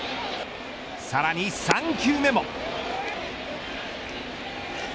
さらに３球目も。